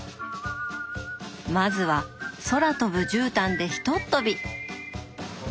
まずは空飛ぶじゅうたんでひとっ飛び。